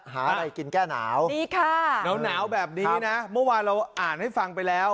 หาอะไรกินแก้หนาวดีค่ะหนาวแบบนี้นะเมื่อวานเราอ่านให้ฟังไปแล้ว